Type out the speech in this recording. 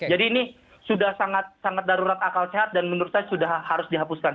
jadi ini sudah sangat sangat darurat akal sehat dan menurut saya sudah harus dihapuskan